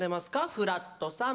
フラットさん。